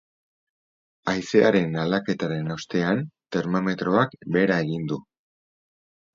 Haizearen aldaketaren ostean termometroak behera egingo du.